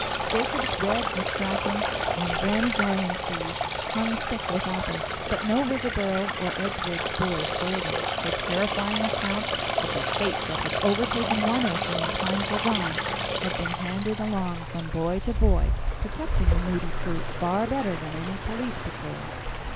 Jacob's Red Astrakhan and Granny Garland trees hung thick with apples, but no Riverboro or Edgewood boy stole them; for terrifying accounts of the fate that had overtaken one urchin in times agone had been handed along from boy to boy, protecting the Moody fruit far better than any police patrol.